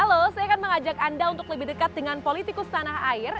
halo saya akan mengajak anda untuk lebih dekat dengan politikus tanah air